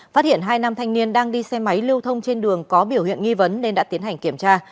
phát hiện hai nam thanh niên đang đi xe máy lưu thông trên đường có biểu hiện nghi vấn nên đã tiến hành kiểm tra